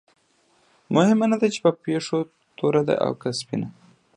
مهمه نه ده چې پیشو توره ده او که سپینه.